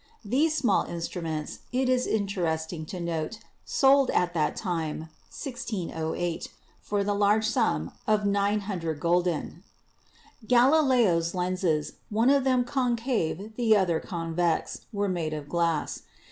(These small instruments, it is interesting to note, sold at that time (1608) for the large sum of 900 gulden.) Galileo's lenses, one of them concave the other convex, were made of glass.